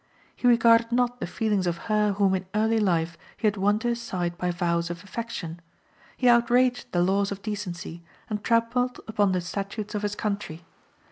He regarded not the feelings of her whom in early life he had won to his side by vows of affection; he outraged the laws of decency, and trampled upon the statutes of his country.